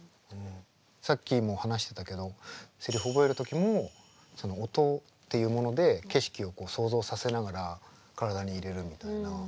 さっきも話してたけどセリフ覚える時もその音っていうもので景色を想像させながら体に入れるみたいな。